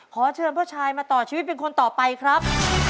ขอเชิญพ่อชายมาต่อชีวิตเป็นคนต่อไปครับ